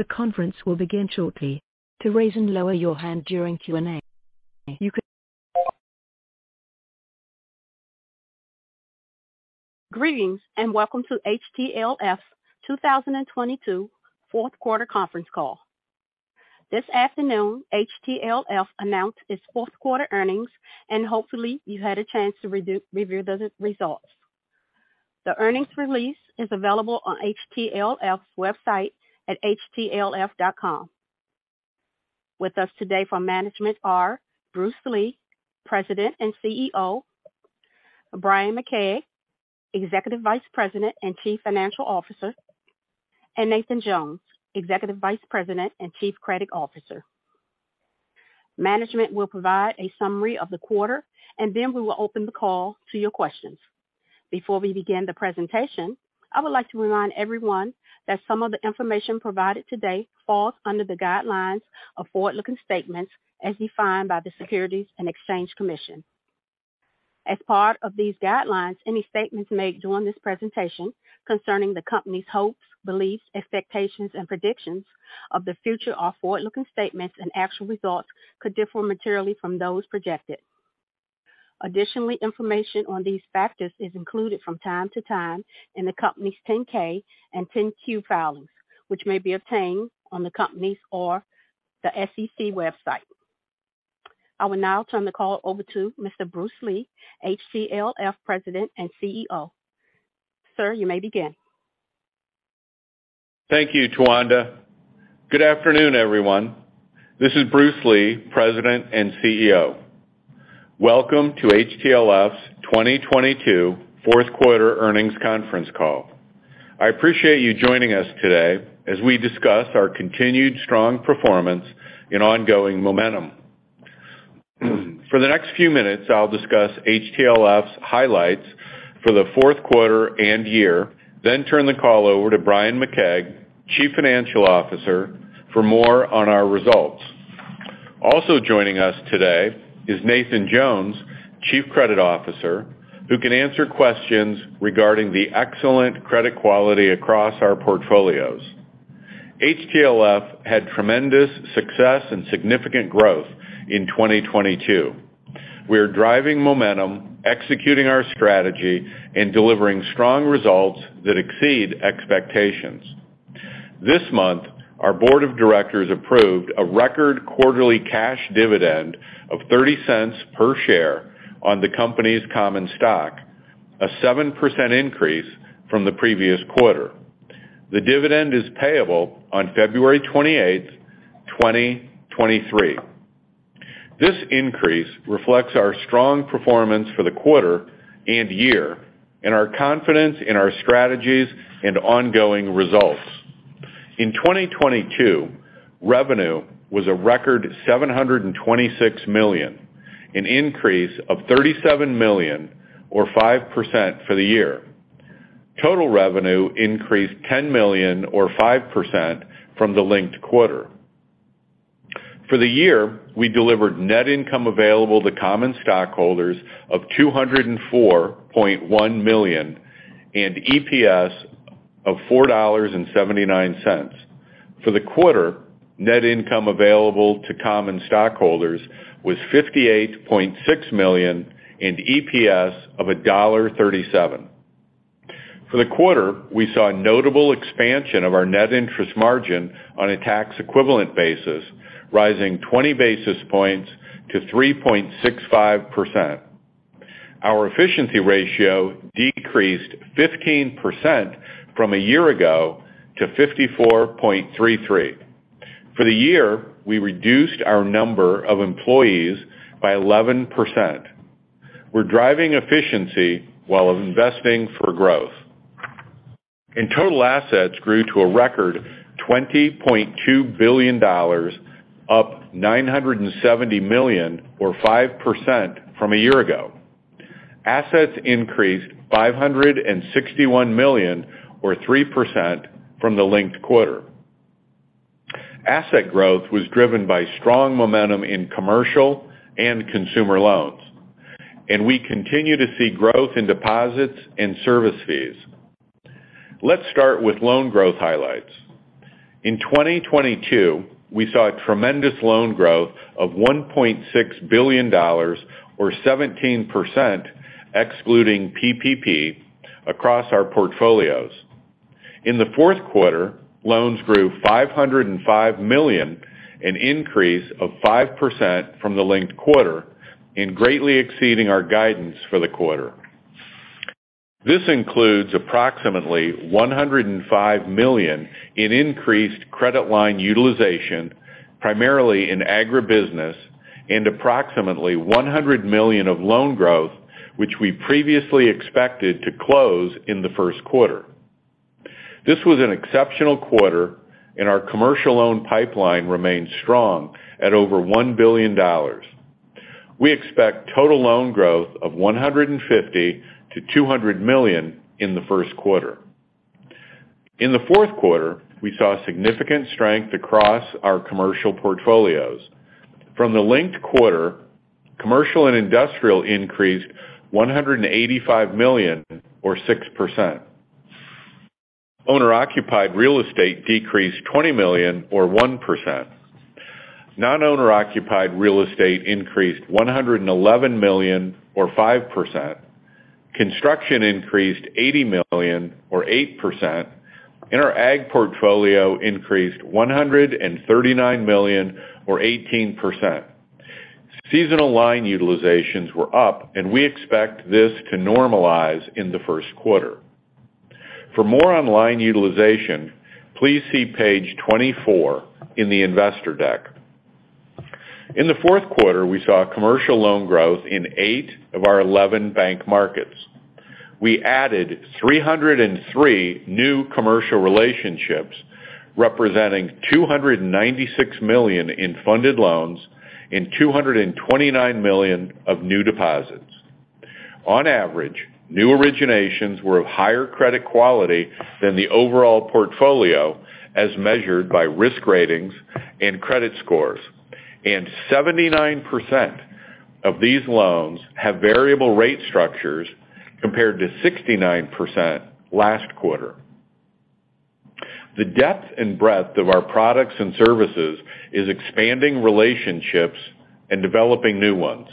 The conference will begin shortly. To raise and lower your hand during Q&A, you can Greetings, welcome to HTLF 2022 fourth quarter conference call. This afternoon, HTLF announced its fourth quarter earnings, hopefully you've had a chance to review those results. The earnings release is available on HTLF's website at htlf.com. With us today for management are Bruce Lee, President and CEO, Bryan McKeag, Executive Vice President and Chief Financial Officer, and Nathan Jones, Executive Vice President and Chief Credit Officer. Management will provide a summary of the quarter, we will open the call to your questions. Before we begin the presentation, I would like to remind everyone that some of the information provided today falls under the guidelines of forward-looking statements as defined by the Securities and Exchange Commission. As part of these guidelines, any statements made during this presentation concerning the company's hopes, beliefs, expectations, and predictions of the future are forward-looking statements, and actual results could differ materially from those projected. Additionally, information on these factors is included from time to time in the company's Form 10-K and Form 10-Q filings, which may be obtained on the company's or the SEC website. I will now turn the call over to Mr. Bruce Lee, HTLF President and CEO. Sir, you may begin. Thank you, Towanda. Good afternoon, everyone. This is Bruce Lee, President and CEO. Welcome to HTLF's 2022 fourth quarter earnings conference call. I appreciate you joining us today as we discuss our continued strong performance and ongoing momentum. For the next few minutes, I'll discuss HTLF's highlights for the fourth quarter and year, then turn the call over to Bryan McKeag, Chief Financial Officer, for more on our results. Also joining us today is Nathan Jones, Chief Credit Officer, who can answer questions regarding the excellent credit quality across our portfolios. HTLF had tremendous success and significant growth in 2022. We are driving momentum, executing our strategy, and delivering strong results that exceed expectations. This month, our board of directors approved a record quarterly cash dividend of $0.30 per share on the company's common stock, a 7% increase from the previous quarter. The dividend is payable on February 28, 2023. This increase reflects our strong performance for the quarter and year and our confidence in our strategies and ongoing results. In 2022, revenue was a record $726 million, an increase of $37 million or 5% for the year. Total revenue increased $10 million or 5% from the linked quarter. For the year, we delivered net income available to common stockholders of $204.1 million and EPS of $4.79. For the quarter, net income available to common stockholders was $58.6 million and EPS of $1.37. For the quarter, we saw a notable expansion of our net interest margin on a tax equivalent basis, rising 20 basis points to 3.65%. Our efficiency ratio decreased 15% from a year ago to 54.33. For the year, we reduced our number of employees by 11%. We're driving efficiency while investing for growth. Total assets grew to a record $20.2 billion, up $970 million or 5% from a year ago. Assets increased $561 million or 3% from the linked quarter. Asset growth was driven by strong momentum in commercial and consumer loans, and we continue to see growth in deposits and service fees. Let's start with loan growth highlights. In 2022, we saw a tremendous loan growth of $1.6 billion or 17% excluding PPP across our portfolios. In the fourth quarter, loans grew $505 million, an increase of 5% from the linked quarter, greatly exceeding our guidance for the quarter. This includes approximately $105 million in increased credit line utilization, primarily in agribusiness, approximately $100 million of loan growth, which we previously expected to close in the first quarter. This was an exceptional quarter. Our commercial loan pipeline remains strong at over $1 billion. We expect total loan growth of $150 million-$200 million in the first quarter. In the fourth quarter, we saw significant strength across our commercial portfolios. From the linked quarter, commercial and industrial increased $185 million or 6%. Owner-occupied real estate decreased $20 million or 1%. Non-owner-occupied real estate increased $111 million or 5%. Construction increased $80 million or 8%. Our ag portfolio increased $139 million or 18%. Seasonal line utilizations were up, and we expect this to normalize in the first quarter. For more on line utilization, please see page 24 in the investor deck. In the fourth quarter, we saw commercial loan growth in eight of our 11 bank markets. We added 303 new commercial relationships, representing $296 million in funded loans and $229 million of new deposits. On average, new originations were of higher credit quality than the overall portfolio as measured by risk ratings and credit scores. 79% of these loans have variable rate structures compared to 69% last quarter. The depth and breadth of our products and services is expanding relationships and developing new ones.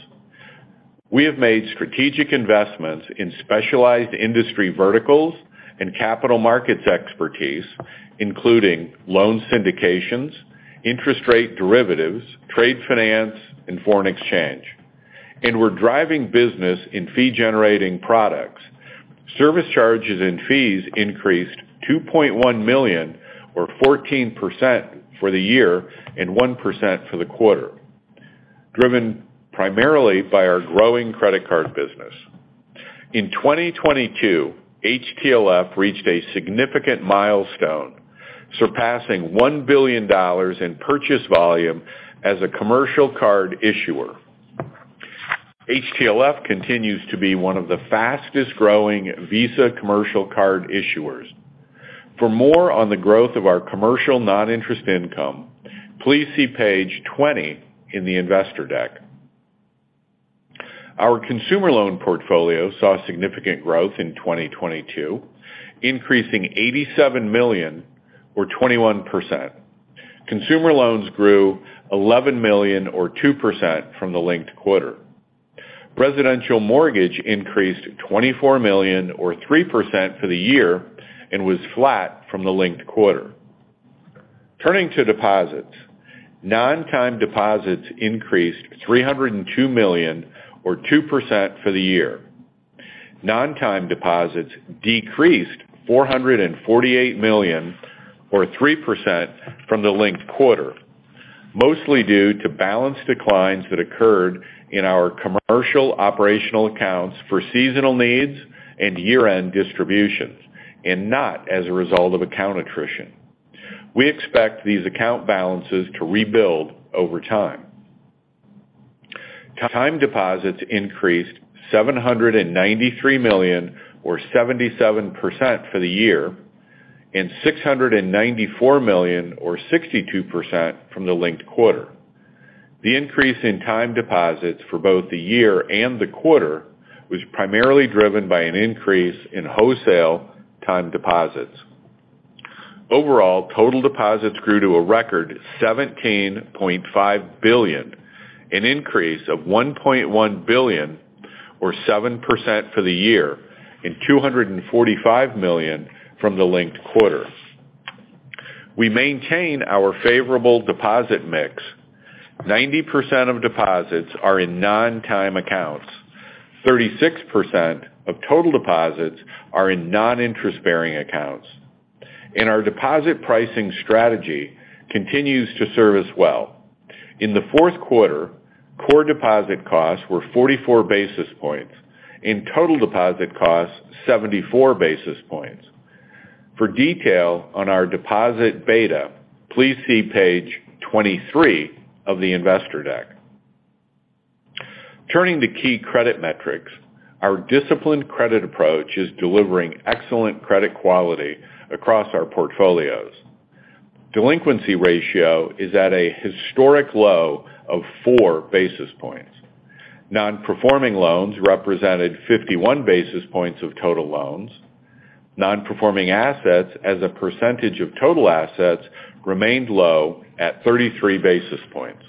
We have made strategic investments in specialized industry verticals and capital markets expertise, including loan syndications, interest rate derivatives, trade finance, and foreign exchange. We're driving business in fee-generating products. Service charges and fees increased $2.1 million or 14% for the year and 1% for the quarter, driven primarily by our growing credit card business. In 2022, HTLF reached a significant milestone, surpassing $1 billion in purchase volume as a commercial card issuer. HTLF continues to be one of the fastest-growing Visa commercial card issuers. For more on the growth of our commercial non-interest income, please see page 20 in the investor deck. Our consumer loan portfolio saw significant growth in 2022, increasing $87 million or 21%. Consumer loans grew $11 million or 2% from the linked quarter. Residential mortgage increased $24 million or 3% for the year and was flat from the linked quarter. Turning to deposits, non-time deposits increased $302 million or 2% for the year. Non-time deposits decreased $448 million or 3% from the linked quarter, mostly due to balance declines that occurred in our commercial operational accounts for seasonal needs and year-end distributions and not as a result of account attrition. We expect these account balances to rebuild over time. Time deposits increased $793 million or 77% for the year and $694 million or 62% from the linked quarter. The increase in time deposits for both the year and the quarter was primarily driven by an increase in wholesale time deposits. Overall, total deposits grew to a record $17.5 billion, an increase of $1.1 billion or 7% for the year and $245 million from the linked quarter. We maintain our favorable deposit mix. 90% of deposits are in non-time accounts. 36% of total deposits are in non-interest-bearing accounts. Our deposit pricing strategy continues to serve us well. In the fourth quarter, core deposit costs were 44 basis points and total deposit costs 74 basis points. For detail on our deposit beta, please see page 23 of the investor deck. Turning to key credit metrics, our disciplined credit approach is delivering excellent credit quality across our portfolios. Delinquency ratio is at a historic low of four basis points. non-performing loans represented 51 basis points of total loans. non-performing assets as a percentage of total assets remained low at 33 basis points.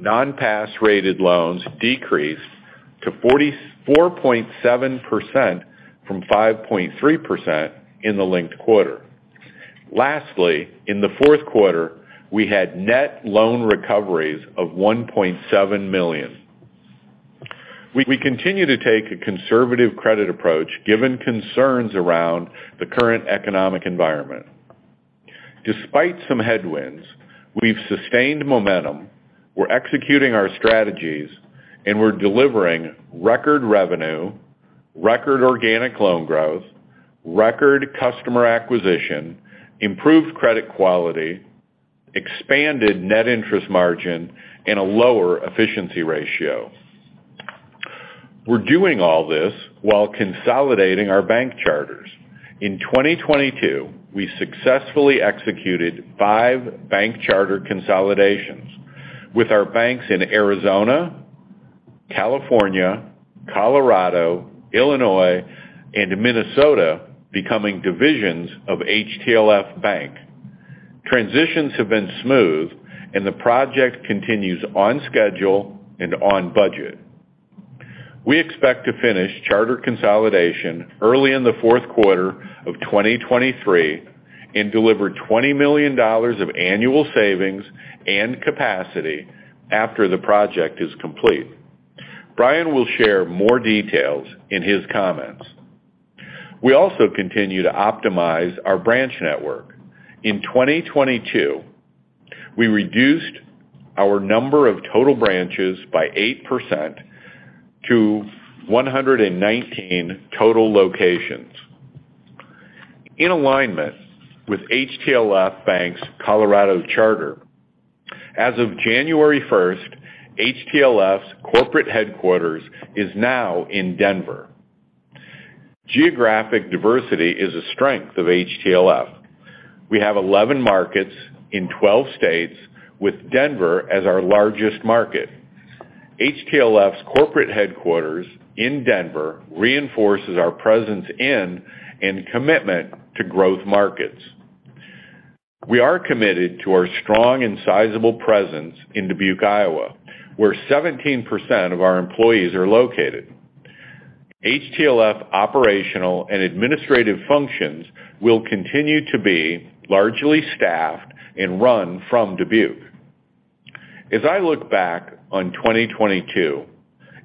Non-pass rated loans decreased to 4.7% from 5.3% in the linked quarter. Lastly, in the fourth quarter, we had net loan recoveries of $1.7 million. We continue to take a conservative credit approach given concerns around the current economic environment. Despite some headwinds, we've sustained momentum, we're executing our strategies, and we're delivering record revenue, record organic loan growth, record customer acquisition, improved credit quality, expanded net interest margin, and a lower efficiency ratio. We're doing all this while consolidating our bank charters. In 2022, we successfully executed five bank charter consolidations with our banks in Arizona, California, Colorado, Illinois, and Minnesota becoming divisions of HTLF Bank. Transitions have been smooth and the project continues on schedule and on budget. We expect to finish charter consolidation early in the fourth quarter of 2023 and deliver $20 million of annual savings and capacity after the project is complete. Bryan will share more details in his comments. We also continue to optimize our branch network. In 2022, we reduced our number of total branches by 8% to 119 total locations. In alignment with HTLF Bank's Colorado charter, as of January 1st, HTLF's corporate headquarters is now in Denver. Geographic diversity is a strength of HTLF. We have 11 markets in 12 states, with Denver as our largest market. HTLF's corporate headquarters in Denver reinforces our presence in and commitment to growth markets. We are committed to our strong and sizable presence in Dubuque, Iowa, where 17% of our employees are located. HTLF operational and administrative functions will continue to be largely staffed and run from Dubuque. As I look back on 2022,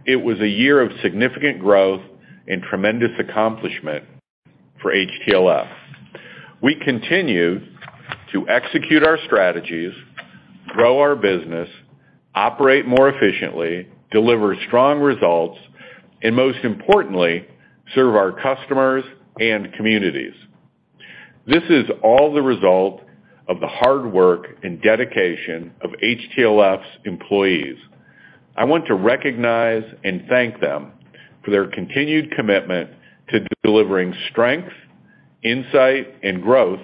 it was a year of significant growth and tremendous accomplishment for HTLF. We continued to execute our strategies, grow our business, operate more efficiently, deliver strong results, and most importantly, serve our customers and communities. This is all the result of the hard work and dedication of HTLF's employees. I want to recognize and thank them for their continued commitment to delivering strength, insight, and growth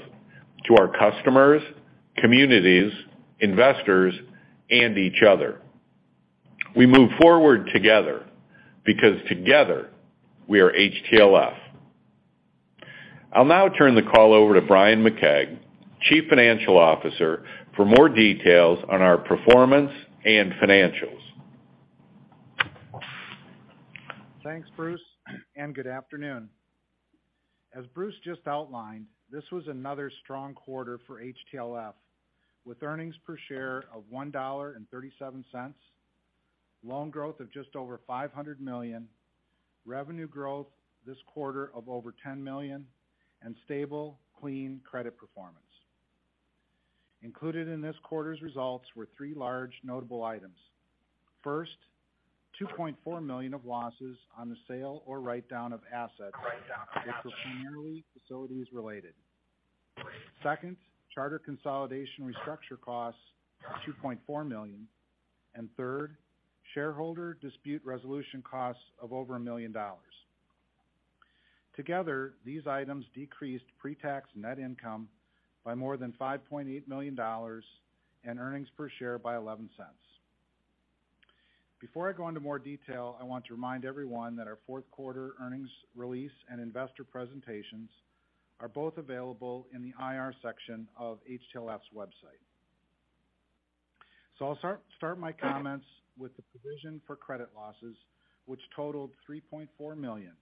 to our customers, communities, investors, and each other. We move forward together because together we are HTLF. I'll now turn the call over to Bryan McCagg, Chief Financial Officer, for more details on our performance and financials. Thanks, Bruce. Good afternoon. As Bruce just outlined, this was another strong quarter for HTLF, with earnings per share of $1.37, loan growth of just over $500 million, revenue growth this quarter of over $10 million, and stable, clean credit performance. Included in this quarter's results were three large notable items. First, $2.4 million of losses on the sale or write down of assets which were primarily facilities related. Second, charter consolidation restructure costs of $2.4 million. Third, shareholder dispute resolution costs of over $1 million. Together, these items decreased pre-tax net income by more than $5.8 million and earnings per share by $0.11. Before I go into more detail, I want to remind everyone that our fourth quarter earnings release and investor presentations are both available in the IR section of HTLF's website. I'll start my comments with the provision for credit losses, which totaled $3.4 million.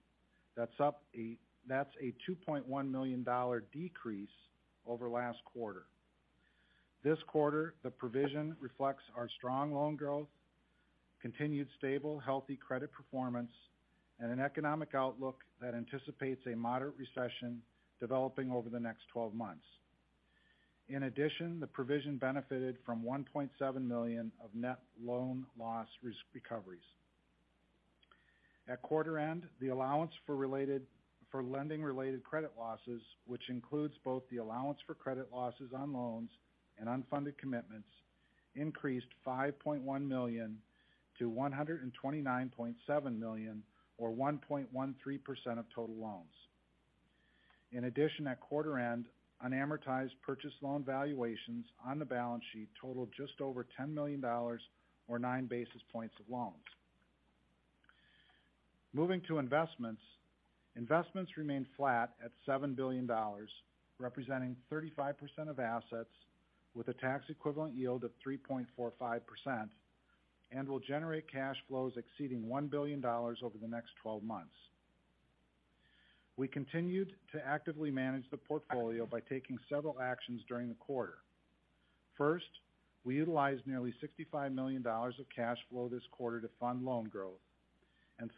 That's a $2.1 million decrease over last quarter. This quarter, the provision reflects our strong loan growth, continued stable, healthy credit performance, and an economic outlook that anticipates a moderate recession developing over the next 12 months. In addition, the provision benefited from $1.7 million of net loan loss recoveries. At quarter end, the allowance for lending related credit losses, which includes both the allowance for credit losses on loans and unfunded commitments, increased $5.1 million to $129.7 million or 1.13% of total loans. In addition, at quarter end, unamortized purchase loan valuations on the balance sheet totaled just over $10 million or 9 basis points of loans. Moving to investments. Investments remained flat at $7 billion, representing 35% of assets with a tax equivalent yield of 3.45%, and will generate cash flows exceeding $1 billion over the next 12 months. We continued to actively manage the portfolio by taking several actions during the quarter. First, we utilized nearly $65 million of cash flow this quarter to fund loan growth.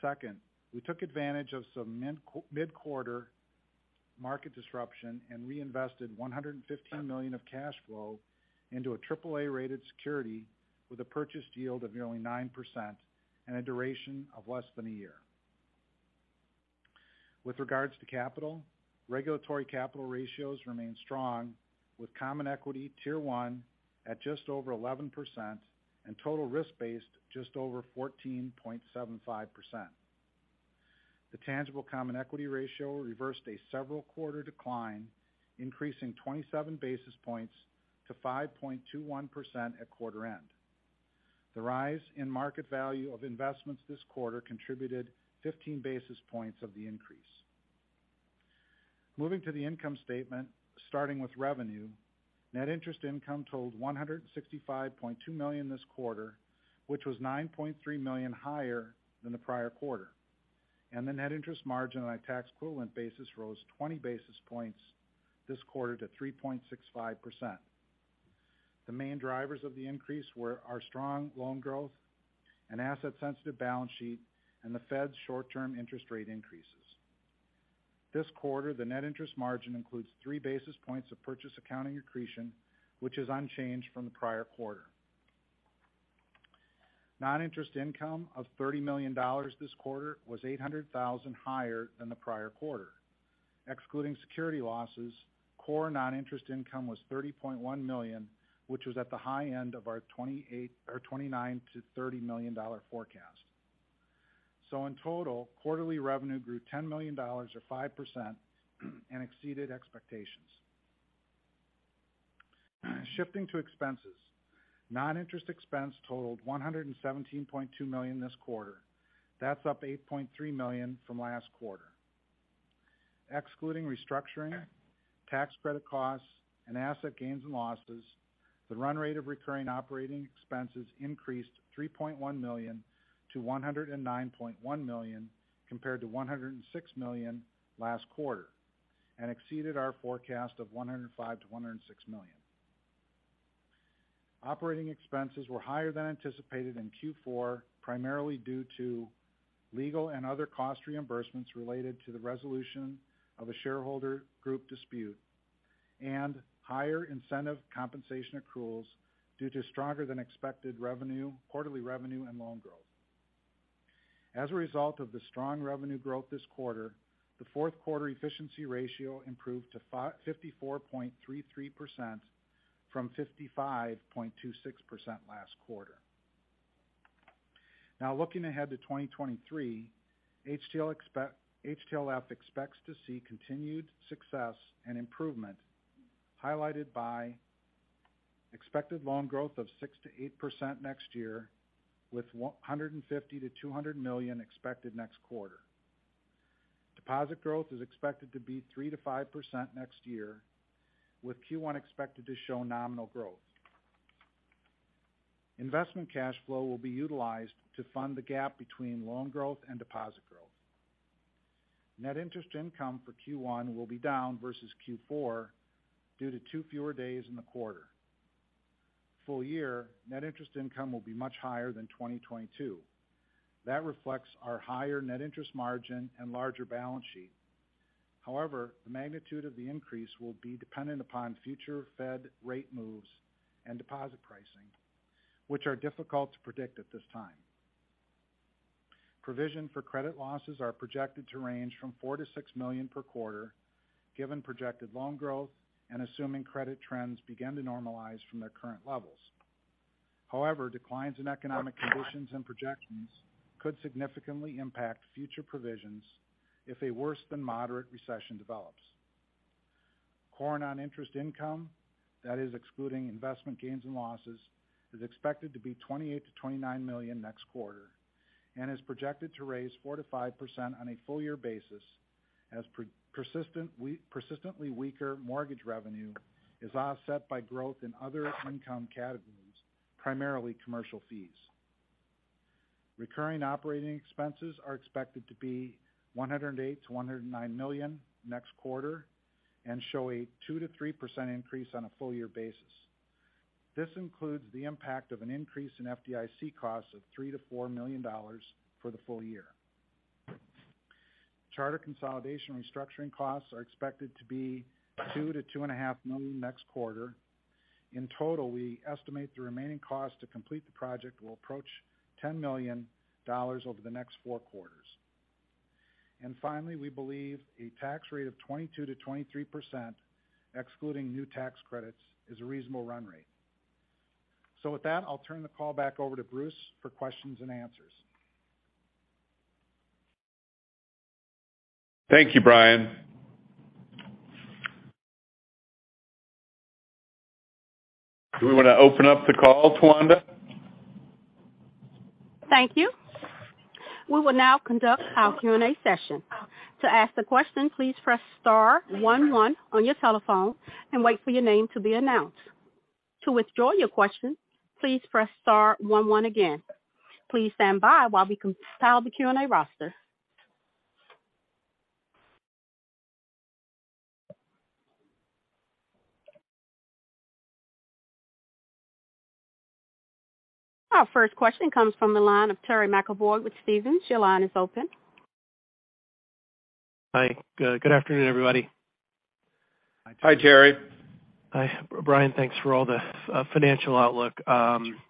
Second, we took advantage of some mid-quarter market disruption and reinvested $115 million of cash flow into an AAA-rated security with a purchase yield of nearly 9% and a duration of less than a year. With regards to capital, regulatory capital ratios remain strong with Common Equity Tier 1 at just over 11% and total risk-based capital just over 14.75%. The tangible common equity ratio reversed a several quarter decline, increasing 27 basis points to 5.21% at quarter end. The rise in market value of investments this quarter contributed 15 basis points of the increase. Moving to the income statement, starting with revenue. Net interest income totaled $165.2 million this quarter, which was $9.3 million higher than the prior quarter. The net interest margin on a tax equivalent basis rose 20 basis points this quarter to 3.65%. The main drivers of the increase were our strong loan growth and asset sensitive balance sheet and the Fed's short-term interest rate increases. This quarter, the net interest margin includes three basis points of purchase accounting accretion, which is unchanged from the prior quarter. Non-interest income of $30 million this quarter was $800,000 higher than the prior quarter. Excluding security losses, core non-interest income was $30.1 million, which was at the high end of our $29 million-$30 million forecast. In total, quarterly revenue grew $10 million or 5% and exceeded expectations. Shifting to expenses. Non-interest expense totaled $117.2 million this quarter. That's up $8.3 million from last quarter. Excluding restructuring, tax credit costs, and asset gains and losses, the run rate of recurring operating expenses increased $3.1 million to $109.1 million compared to $106 million last quarter, and exceeded our forecast of $105 million-$106 million. Operating expenses were higher than anticipated in Q4, primarily due to legal and other cost reimbursements related to the resolution of a shareholder group dispute and higher incentive compensation accruals due to stronger than expected quarterly revenue and loan growth. As a result of the strong revenue growth this quarter, the fourth quarter efficiency ratio improved to 54.33% from 55.26% last quarter. Looking ahead to 2023, HTLF expects to see continued success and improvement highlighted by expected loan growth of 6%-8% next year with $150 million-$200 million expected next quarter. Deposit growth is expected to be 3%-5% next year, with Q1 expected to show nominal growth. Investment cash flow will be utilized to fund the gap between loan growth and deposit growth. Net interest income for Q1 will be down versus Q4 due to two fewer days in the quarter. Full year, net interest income will be much higher than 2022. That reflects our higher net interest margin and larger balance sheet. The magnitude of the increase will be dependent upon future Fed rate moves and deposit pricing, which are difficult to predict at this time. Provision for credit losses are projected to range from $4 million-$6 million per quarter, given projected loan growth and assuming credit trends begin to normalize from their current levels. Declines in economic conditions and projections could significantly impact future provisions if a worse than moderate recession develops. Core non-interest income, that is excluding investment gains and losses, is expected to be $28 million-$29 million next quarter and is projected to raise 4%-5% on a full year basis as persistently weaker mortgage revenue is offset by growth in other income categories, primarily commercial fees. Recurring operating expenses are expected to be $108 million-$109 million next quarter and show a 2%-3% increase on a full year basis. This includes the impact of an increase in FDIC costs of $3 million-$4 million for the full year. Charter consolidation restructuring costs are expected to be $2 million to two and a half million next quarter. In total, we estimate the remaining cost to complete the project will approach $10 million over the next four quarters. Finally, we believe a tax rate of 22%-23%, excluding new tax credits, is a reasonable run rate. With that, I'll turn the call back over to Bruce for questions and answers. Thank you, Bryan. Do we want to open up the call, Towanda? Thank you. We will now conduct our Q&A session. To ask the question, please press star one one on your telephone and wait for your name to be announced. To withdraw your question, please press star one one again. Please stand by while we compile the Q&A roster. Our first question comes from the line of Terry McEvoy with Stephens Inc. Your line is open. Hi. Good afternoon, everybody. Hi, Terry. Hi, Bryan. Thanks for all the financial outlook.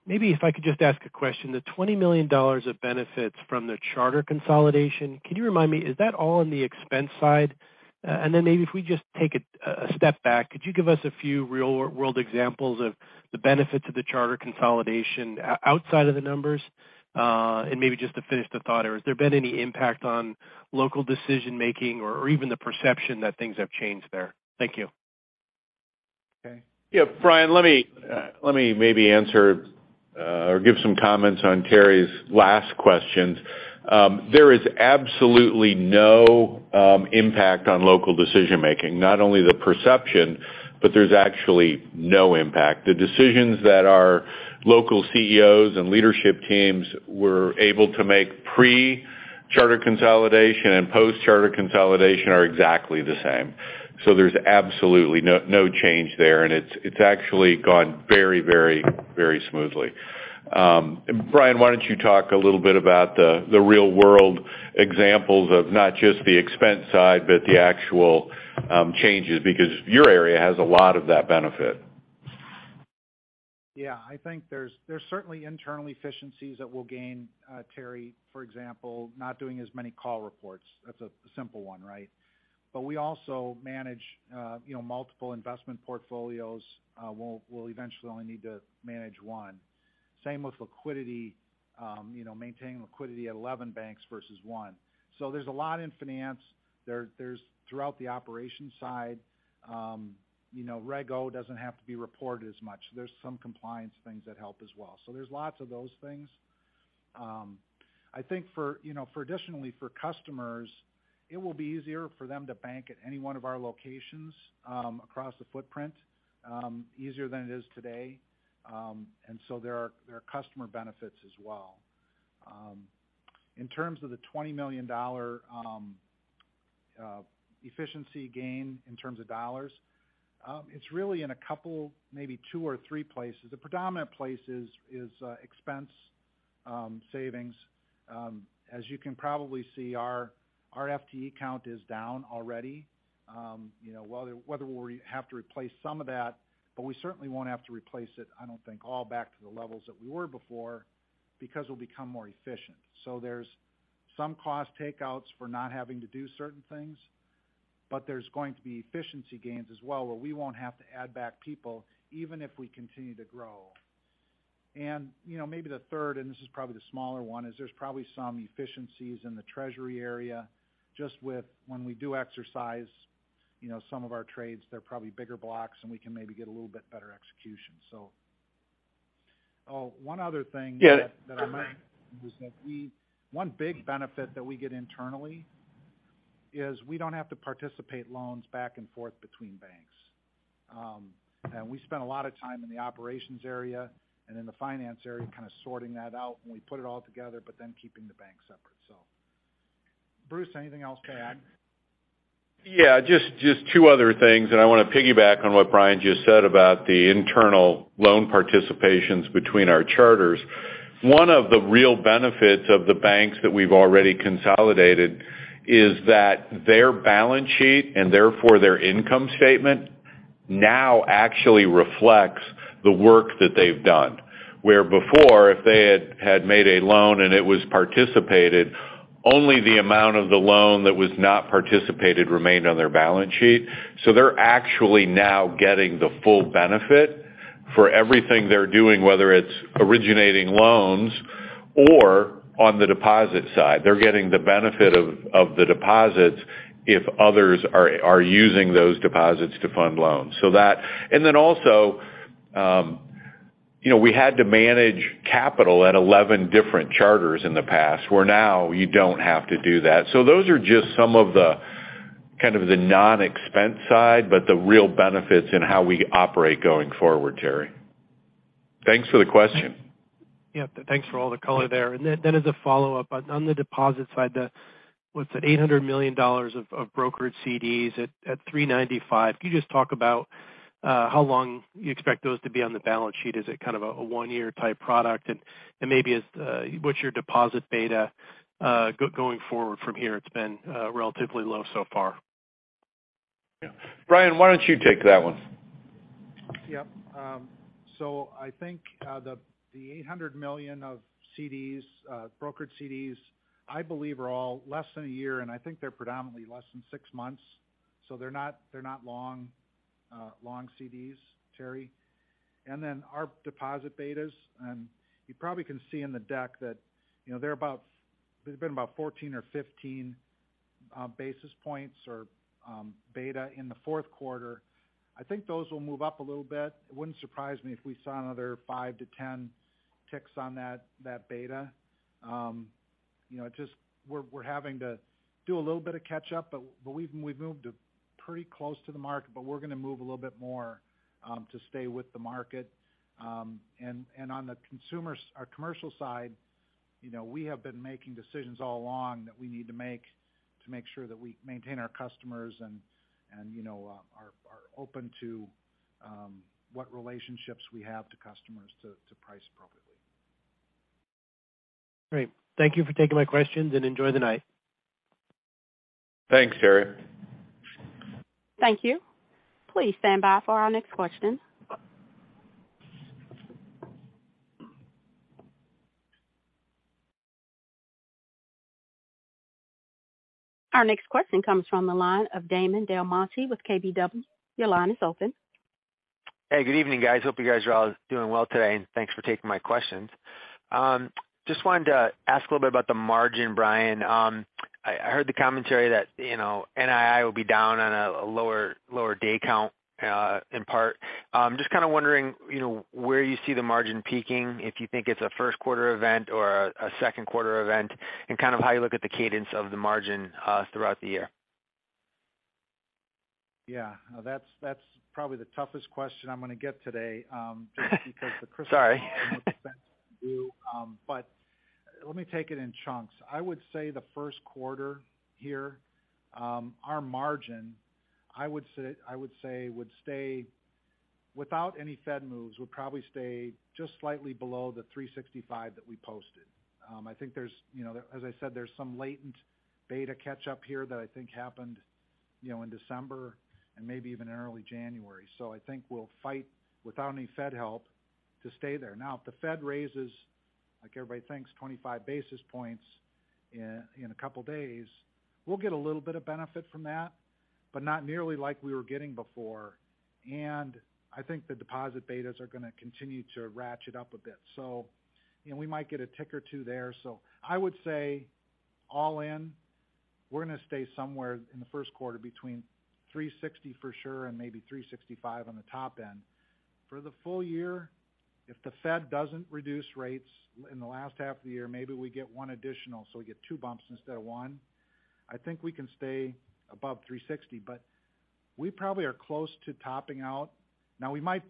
Maybe if I could just ask a question. The $20 million of benefits from the charter consolidation, can you remind me, is that all on the expense side? Then maybe if we just take it a step back, could you give us a few real-world examples of the benefits of the charter consolidation outside of the numbers? Maybe just to finish the thought, has there been any impact on local decision-making or even the perception that things have changed there? Thank you. Okay. Yeah, Bryan, let me maybe answer or give some comments on Terry's last questions. There is absolutely no impact on local decision-making. Not only the perception, but there's actually no impact. The decisions that our local CEOs and leadership teams were able to make pre-charter consolidation and post-charter consolidation are exactly the same. There's absolutely no change there. It's actually gone very, very, very smoothly. Bryan, why don't you talk a little bit about the real-world examples of not just the expense side, but the actual changes because your area has a lot of that benefit. I think there's certainly internal efficiencies that we'll gain, Terry, for example, not doing as many call reports. That's a simple one, right? But we also manage, you know, multiple investment portfolios. We'll eventually only need to manage one. Same with liquidity, you know, maintaining liquidity at 11 banks versus one. There's a lot in finance. There's throughout the operation side, you know, Reg O doesn't have to be reported as much. There's some compliance things that help as well. There's lots of those things. I think for, you know, for additionally for customers, it will be easier for them to bank at any one of our locations across the footprint, easier than it is today. There are customer benefits as well. In terms of the $20 million efficiency gain in terms of dollars, it's really in a couple, maybe two or three places. The predominant place is expense savings. As you can probably see, our FTE count is down already, you know, whether we have to replace some of that, but we certainly won't have to replace it, I don't think, all back to the levels that we were before because we'll become more efficient. There's some cost takeouts for not having to do certain things, but there's going to be efficiency gains as well, where we won't have to add back people even if we continue to grow. You know, maybe the third, and this is probably the smaller one, is there's probably some efficiencies in the treasury area just with when we do exercise, you know, some of our trades, they're probably bigger blocks, and we can maybe get a little bit better execution, so. One other thing. Yeah. that I might is that one big benefit that we get internally is we don't have to participate loans back and forth between banks. We spend a lot of time in the operations area and in the finance area kind of sorting that out. We put it all together, keeping the bank separate. Bruce, anything else to add? Yeah, just two other things. I wanna piggyback on what Bryan just said about the internal loan participations between our charters. One of the real benefits of the banks that we've already consolidated is that their balance sheet, and therefore their income statement, now actually reflects the work that they've done. Where before, if they had made a loan and it was participated, only the amount of the loan that was not participated remained on their balance sheet. They're actually now getting the full benefit for everything they're doing, whether it's originating loans or on the deposit side. They're getting the benefit of the deposits if others are using those deposits to fund loans. So that. Also, you know, we had to manage capital at 11 different charters in the past, where now you don't have to do that. Those are just some of the kind of the non-expense side, but the real benefits in how we operate going forward, Terry. Thanks for the question. Yeah. Thanks for all the color there. As a follow-up, on the deposit side, the, what's it, $800 million of brokered CDs at 3.95%. Can you just talk about how long you expect those to be on the balance sheet? Is it kind of a one-year type product? Maybe, what's your deposit beta going forward from here? It's been relatively low so far. Yeah. Bryan, why don't you take that one? Yep. I think the $800 million of CDs, brokered CDs, I believe are all less than a year, and I think they're predominantly less than six months, so they're not long CDs, Terry McEvoy. Our deposit betas, and you probably can see in the deck that, you know, they've been about 14 or 15 basis points or beta in the fourth quarter. I think those will move up a little bit. It wouldn't surprise me if we saw another five to 10 ticks on that beta. You know, just we're having to do a little bit of catch up, but we've moved pretty close to the market, but we're gonna move a little bit more to stay with the market. On the consumer our commercial side, you know, we have been making decisions all along that we need to make to make sure that we maintain our customers and, you know, are open to what relationships we have to customers to price appropriately. Great. Thank you for taking my questions, and enjoy the night. Thanks, Terry. Thank you. Please stand by for our next question. Our next question comes from the line of Damon DelMonte with KBW. Your line is open. Hey, good evening, guys. Hope you guys are all doing well today. Thanks for taking my questions. Just wanted to ask a little bit about the margin, Bryan. I heard the commentary that, you know, NII will be down on a lower day count, in part. Just kinda wondering, you know, where you see the margin peaking, if you think it's a first quarter event or a second quarter event, and kind of how you look at the cadence of the margin, throughout the year. Yeah. No, that's probably the toughest question I'm gonna get today. Sorry... just because the crystal ball and what the Fed can do, but let me take it in chunks. I would say the first quarter here, our margin, I would say would stay, without any Fed moves, would probably stay just slightly below the 3.65 that we posted. I think there's, you know, as I said, there's some latent beta catch up here that I think happened, you know, in December and maybe even in early January. I think we'll fight without any Fed help to stay there. Now, if the Fed raises, like everybody thinks, 25 basis points in a couple days, we'll get a little bit of benefit from that, but not nearly like we were getting before. I think the deposit betas are gonna continue to ratchet up a bit. You know, we might get a tick or two there. I would say all in, we're gonna stay somewhere in the first quarter between 360 for sure and maybe 365 on the top end. For the full year, if the Fed doesn't reduce rates in the last half of the year, maybe we get one additional, so we get two bumps instead of one. I think we can stay above 360, but we probably are close to topping out. We might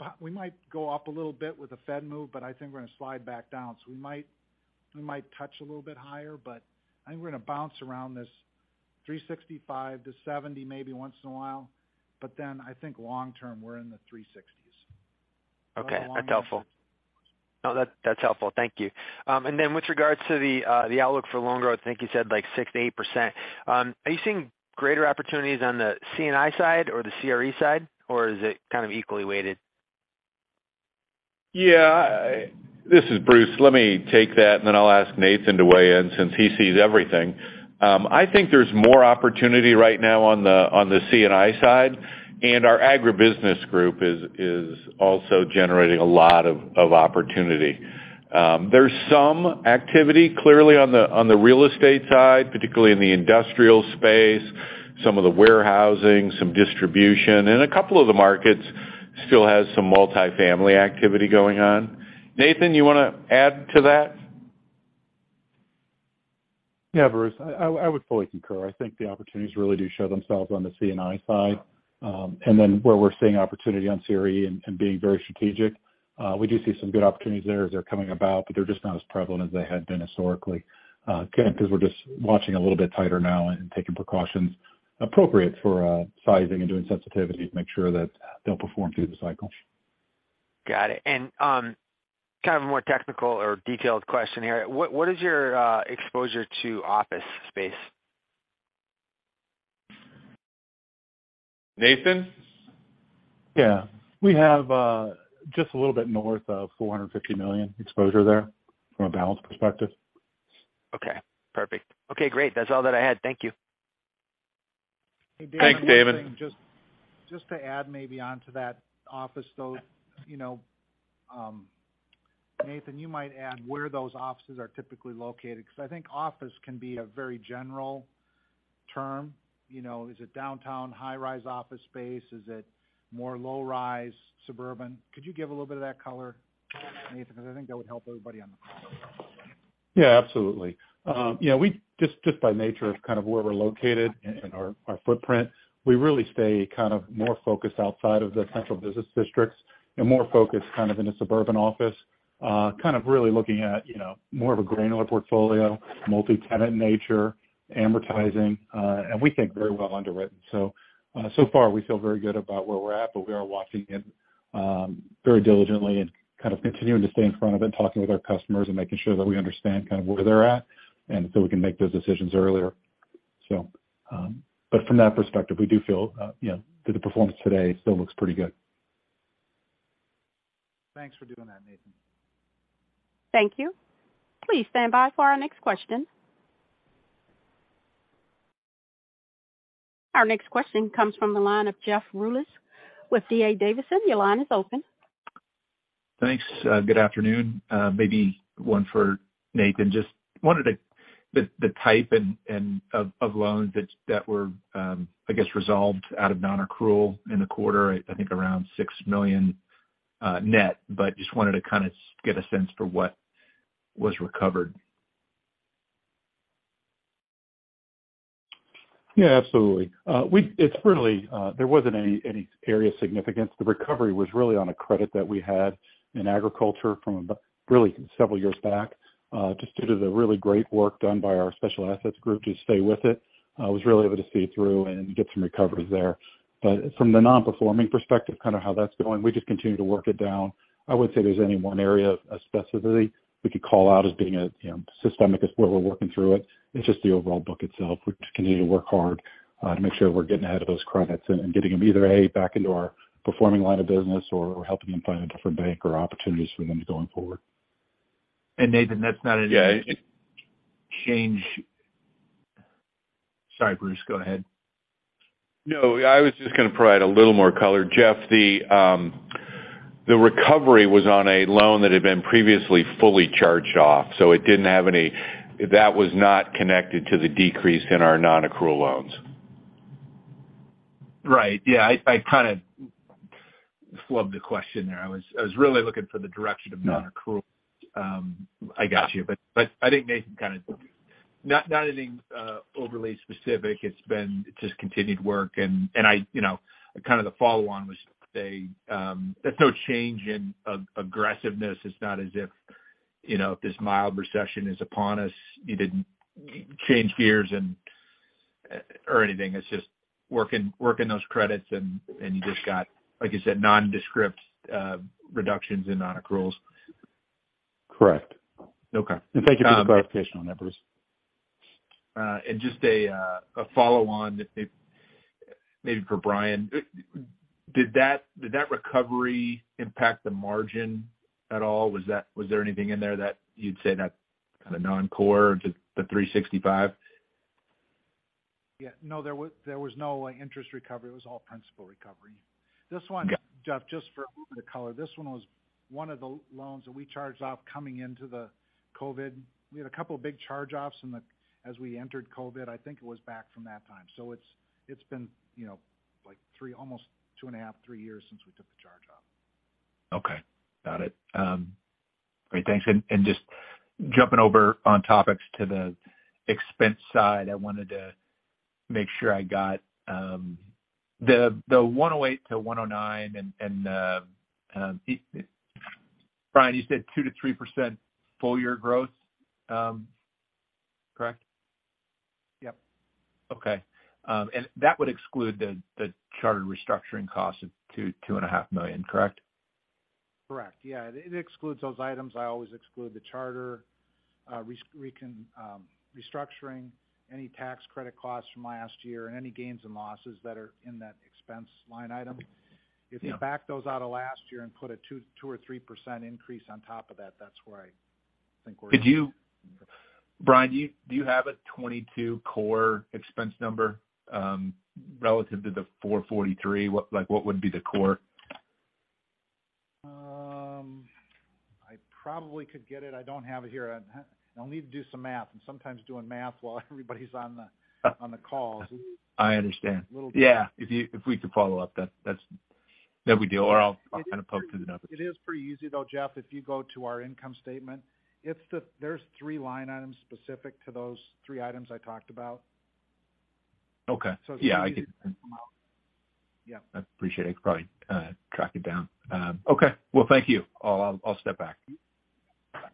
go up a little bit with a Fed move, but I think we're gonna slide back down. We might touch a little bit higher, but I think we're gonna bounce around this 365 to 70 maybe once in a while. I think long term, we're in the 360s. Okay. That's helpful. No, that's helpful. Thank you. Then with regards to the outlook for loan growth, I think you said like 6%-8%. Are you seeing greater opportunities on the C&I side or the CRE side, or is it kind of equally weighted? Yeah. This is Bruce. Let me take that, and then I'll ask Nathan to weigh in since he sees everything. I think there's more opportunity right now on the C&I side, and our agribusiness group is also generating a lot of opportunity. There's some activity clearly on the real estate side, particularly in the industrial space, some of the warehousing, some distribution, and a couple of the markets still has some multifamily activity going on. Nathan, you wanna add to that? Yeah, Bruce. I would fully concur. I think the opportunities really do show themselves on the C&I side. Where we're seeing opportunity on CRE and being very strategic, we do see some good opportunities there as they're coming about, but they're just not as prevalent as they had been historically, again, because we're just watching a little bit tighter now and taking precautions appropriate for sizing and doing sensitivity to make sure that they'll perform through the cycle. Got it. Kind of a more technical or detailed question here. What is your exposure to office space? Nathan? Yeah. We have, just a little bit north of $450 million exposure there from a balance perspective. Okay. Perfect. Okay, great. That's all that I had. Thank you. Thanks, Damon. Hey, Damon, one thing, just to add maybe onto that office though, you know, Nathan, you might add where those offices are typically located, because I think office can be a very general term. You know, is it downtown high-rise office space? Is it more low-rise suburban? Could you give a little bit of that color, Nathan? Because I think that would help everybody on the call. Yeah, absolutely. you know, we just by nature of kind of where we're located and our footprint, we really stay kind of more focused outside of the central business districts and more focused kind of in a suburban office, kind of really looking at, you know, more of a granular portfolio, multi-tenant nature, amortizing, and we think very well underwritten. So far we feel very good about where we're at, but we are watching it very diligently and kind of continuing to stay in front of it and talking with our customers and making sure that we understand kind of where they're at and so we can make those decisions earlier. From that perspective, we do feel, you know, that the performance today still looks pretty good. Thanks for doing that, Nathan. Thank you. Please stand by for our next question. Our next question comes from the line of Jeff Teske with D.A. Davidson. Your line is open. Thanks. Good afternoon. Maybe one for Nathan. Just wondered the type and of loans that were, I guess resolved out of nonaccrual in the quarter, I think around $6 million net, but just wanted to kinda get a sense for what was recovered. Yeah, absolutely. It's really, there wasn't any area significance. The recovery was really on a credit that we had in agriculture from really several years back, just due to the really great work done by our special assets group to stay with it, was really able to see it through and get some recoveries there. From the non-performing perspective, kind of how that's going, we just continue to work it down. I wouldn't say there's any one area specifically we could call out as being a, you know, systemic as where we're working through it. It's just the overall book itself. We just continue to work hard, to make sure we're getting ahead of those credits and getting them either, A, back into our performing line of business or helping them find a different bank or opportunities for them going forward. Nathan, that's not. Yeah. Sorry, Bruce, go ahead. No, I was just gonna provide a little more color. Jeff, the recovery was on a loan that had been previously fully charged off. That was not connected to the decrease in our non-accrual loans. Right. Yeah. I kind of flubbed the question there. I was really looking for the direction of non-accrual. I got you. I think Nathan kinda, not anything overly specific. It's been just continued work. I, you know, kind of the follow on was say, there's no change in aggressiveness. It's not as if, you know, this mild recession is upon us. You didn't change gears and, or anything. It's just working those credits, you just got, like you said, nondescript, reductions in non-accruals. Correct. Okay. Thank you for the clarification on that, Bruce. Just a follow-on maybe for Bryan. Did that, did that recovery impact the margin at all? Was there anything in there that you'd say that's kind of non-core to the 365? Yeah. No, there was no interest recovery. It was all principal recovery. This one- Got it. Jeff, just for a little bit of color. This one was one of the loans that we charged off coming into the COVID. We had a couple of big charge-offs as we entered COVID. I think it was back from that time. It's been, you know, like three, almost two and a half, three years since we took the charge off. Okay. Got it. Great. Thanks. Just jumping over on topics to the expense side, I wanted to make sure I got the $108-$109 and Bryan, you said 2%-3% full year growth, correct? Yep. Okay. That would exclude the chartered restructuring cost of $2.5 million, correct? Correct. Yeah. It excludes those items. I always exclude the charter, restructuring any tax credit costs from last year and any gains and losses that are in that expense line item. Yeah. If you back those out of last year and put a 2% or 3% increase on top of that's where I think we're- Bryan, do you have a 22 core expense number relative to the 443? Like what would be the core? I probably could get it. I don't have it here. I'll need to do some math, and sometimes doing math while everybody's on the, on the call is. I understand. A little- Yeah. If we could follow up, that's that we do, or I'll kind of poke through the numbers. It is pretty easy though, Jeff. If you go to our income statement. It's there's three line items specific to those three items I talked about. Okay. it's pretty easy- Yeah. to get them out. Yeah. I appreciate it. I could probably track it down. Okay. Well, thank you. I'll step back. Okay.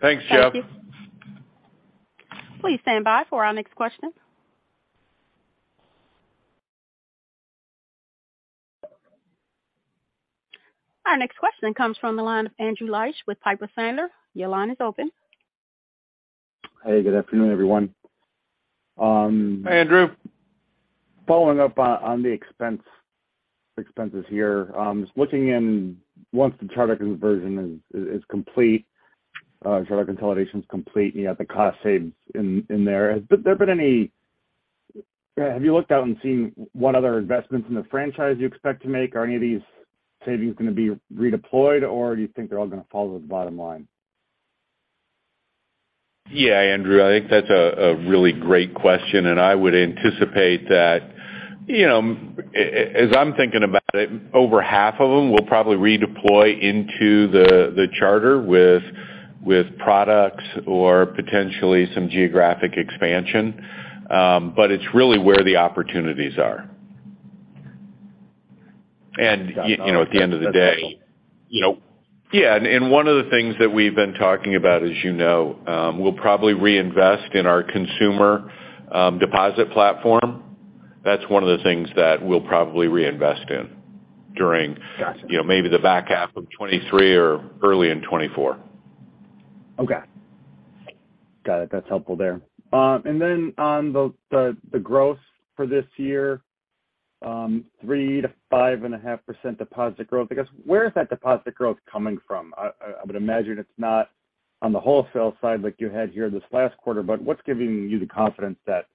Thanks, Jeff. Thank you. Please stand by for our next question. Our next question comes from the line of Andrew Liesch with Piper Sandler. Your line is open. Hey, good afternoon, everyone. Hey, Andrew. Following up on the expenses here. Just once the charter conversion is complete, charter consolidation is complete, and you have the cost saved in there, has there been any, have you looked out and seen what other investments in the franchise you expect to make? Are any of these savings gonna be redeployed, or do you think they're all gonna fall to the bottom line? Yeah, Andrew, I think that's a really great question. I would anticipate that, you know, as I'm thinking about it, over half of them will probably redeploy into the charter with products or potentially some geographic expansion. It's really where the opportunities are. Got it. You know, at the end of the day, you know. Yeah. One of the things that we've been talking about, as you know, we'll probably reinvest in our consumer, deposit platform. That's one of the things that we'll probably reinvest in. Got it. You know, maybe the back half of 2023 or early in 2024. Okay. Got it. That's helpful there. Then on the growth for this year, 3% to 5.5% deposit growth. I guess, where is that deposit growth coming from? I would imagine it's not on the wholesale side like you had here this last quarter, but what's giving you the confidence that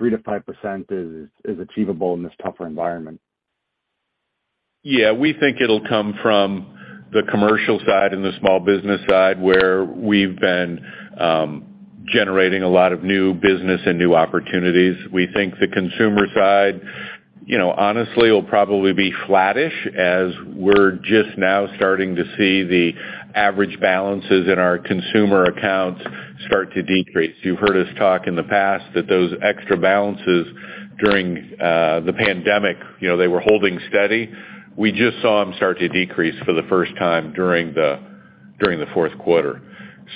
3% to 5% is achievable in this tougher environment? We think it'll come from the commercial side and the small business side, where we've been generating a lot of new business and new opportunities. We think the consumer side, you know, honestly, will probably be flattish as we're just now starting to see the average balances in our consumer accounts start to decrease. You've heard us talk in the past that those extra balances during the pandemic, you know, they were holding steady. We just saw them start to decrease for the first time during the fourth quarter.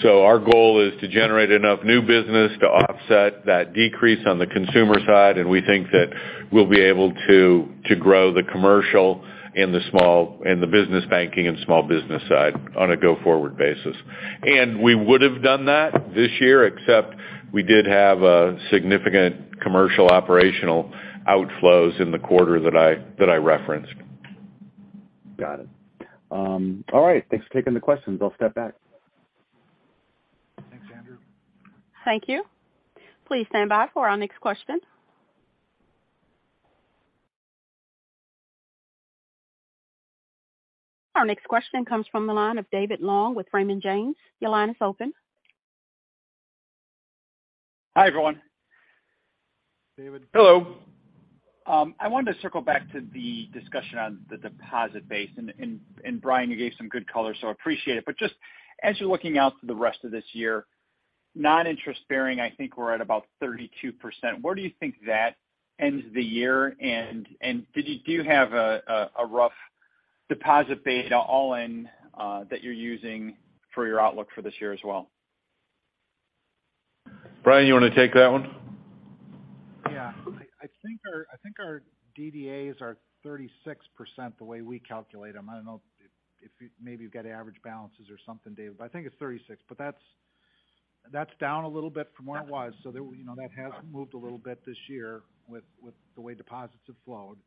Our goal is to generate enough new business to offset that decrease on the consumer side, and we think that we'll be able to grow the commercial and the business banking and small business side on a go-forward basis. We would have done that this year, except we did have a significant commercial operational outflows in the quarter that I, that I referenced. Got it. All right, thanks for taking the questions. I'll step back. Thanks, Andrew. Thank you. Please stand by for our next question. Our next question comes from the line of David Long with Raymond James. Your line is open. Hi, everyone. David. Hello. I wanted to circle back to the discussion on the deposit base and Bryan, you gave some good color, so I appreciate it. Just as you're looking out to the rest of this year, non-interest-bearing, I think we're at about 32%. Where do you think that ends the year? Do you have a rough deposit beta all-in that you're using for your outlook for this year as well? Bryan, you wanna take that one? Yeah. I think our DDAs are 36% the way we calculate them. I don't know if you maybe you've got average balances or something, David, but I think it's 36. That's down a little bit from where it was. you know, that has moved a little bit this year with the way deposits have flowed.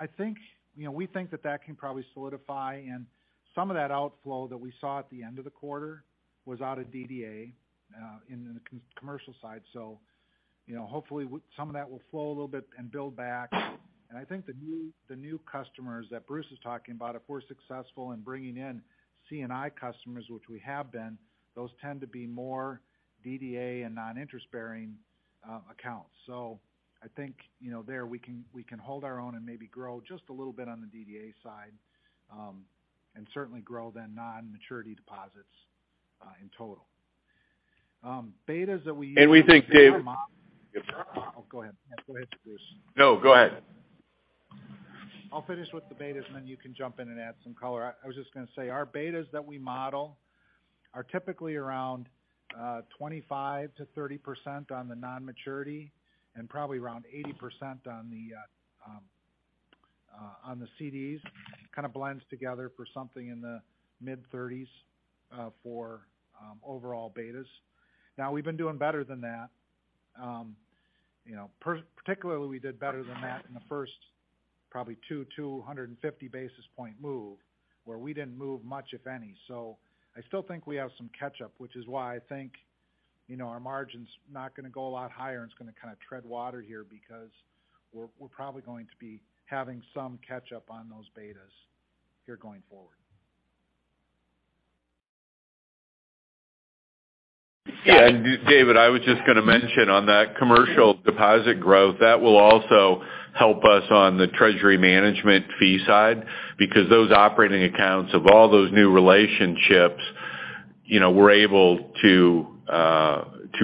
I think, you know, we think that that can probably solidify and some of that outflow that we saw at the end of the quarter was out of DDA in the commercial side. you know, hopefully some of that will flow a little bit and build back. I think the new, the new customers that Bruce is talking about, if we're successful in bringing in C&I customers, which we have been, those tend to be more DDA and non-interest bearing accounts. I think, you know, there we can, we can hold our own and maybe grow just a little bit on the DDA side, and certainly grow then non-maturity deposits in total. Betas that we use. we think, Dave Oh, go ahead. Go ahead, Bruce. No, go ahead. I'll finish with the betas. You can jump in and add some color. I was just gonna say our betas that we model are typically around 25%-30% on the non-maturity and probably around 80% on the CDs. Kinda blends together for something in the mid-30s for overall betas. We've been doing better than that. You know, particularly, we did better than that in the first probably two to 150 basis point move where we didn't move much, if any. I still think we have some catch-up, which is why I think, you know, our margin's not gonna go a lot higher, and it's gonna kinda tread water here because we're probably going to be having some catch-up on those betas here going forward. Yeah. David, I was just gonna mention on that commercial deposit growth, that will also help us on the treasury management fee side because those operating accounts of all those new relationships, you know, we're able to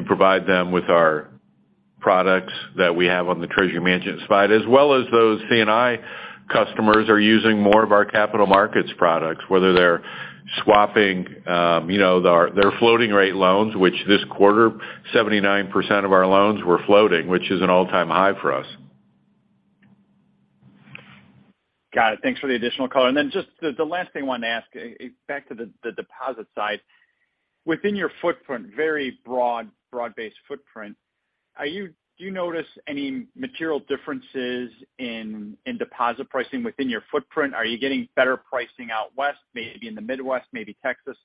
provide them with our products that we have on the treasury management side, as well as those C&I customers are using more of our capital markets products, whether they're swapping, you know, their floating rate loans, which this quarter 79% of our loans were floating, which is an all-time high for us. Got it. Thanks for the additional color. Then just the last thing I wanted to ask, back to the deposit side. Within your footprint, very broad-based footprint, do you notice any material differences in deposit pricing within your footprint? Are you getting better pricing out west, maybe in the Midwest, maybe Texas?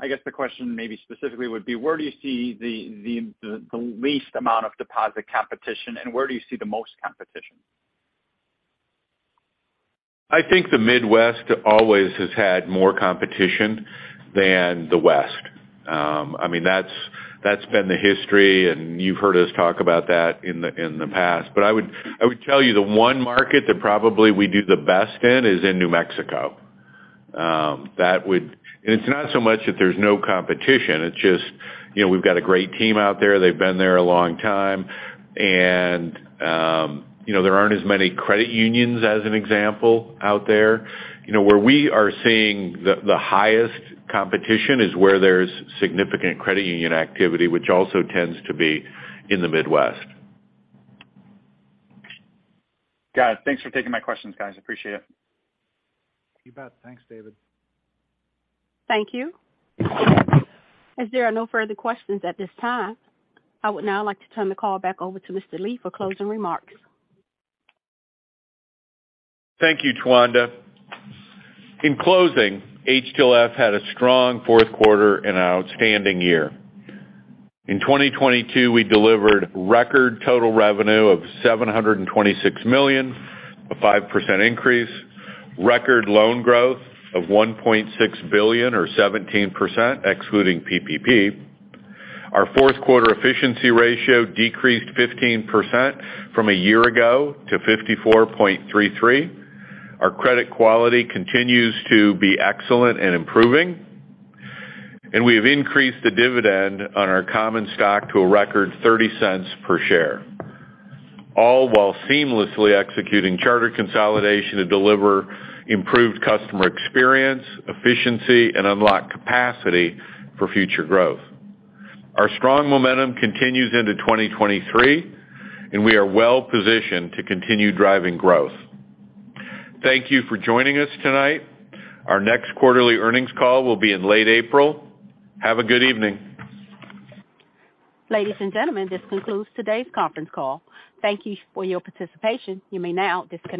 I guess the question maybe specifically would be where do you see the least amount of deposit competition, and where do you see the most competition? I think the Midwest always has had more competition than the West. I mean, that's been the history, and you've heard us talk about that in the past. I would tell you the one market that probably we do the best in is in New Mexico. It's not so much that there's no competition, it's just, you know, we've got a great team out there. They've been there a long time. You know, there aren't as many credit unions as an example out there. You know, where we are seeing the highest competition is where there's significant credit union activity, which also tends to be in the Midwest. Got it. Thanks for taking my questions, guys. Appreciate it. You bet. Thanks, David. Thank you. As there are no further questions at this time, I would now like to turn the call back over to Mr. Lee for closing remarks. Thank you, Towanda. In closing, HTLF had a strong fourth quarter and outstanding year. In 2022, we delivered record total revenue of $726 million, a 5% increase. Record loan growth of $1.6 billion or 17% excluding PPP. Our fourth quarter efficiency ratio decreased 15% from a year ago to 54.33. Our credit quality continues to be excellent and improving. We have increased the dividend on our common stock to a record $0.30 per share, all while seamlessly executing charter consolidation to deliver improved customer experience, efficiency, and unlock capacity for future growth. Our strong momentum continues into 2023, we are well-positioned to continue driving growth. Thank you for joining us tonight. Our next quarterly earnings call will be in late April. Have a good evening. Ladies and gentlemen, this concludes today's conference call. Thank you for your participation. You may now disconnect.